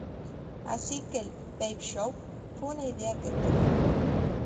Así que el "peep-show" fue una idea que tuve.